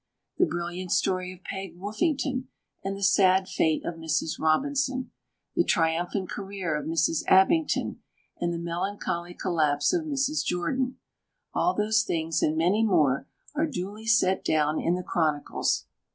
The brilliant story of Peg Woffington and the sad fate of Mrs. Robinson, the triumphant career of Mrs. Abington and the melancholy collapse of Mrs. Jordan—all those things, and many more, are duly set down in the chronicles.